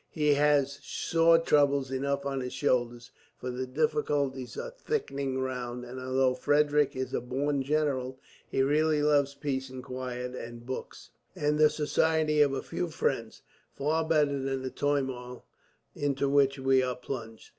He has sore troubles enough on his shoulders, for the difficulties are thickening round; and although Frederick is a born general, he really loves peace, and quiet, and books, and the society of a few friends, far better than the turmoil into which we are plunged.